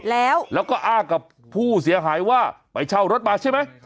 แล้วก็อ้างกับผู้เสียหายว่าไปเช่ารถมาใช่ไหม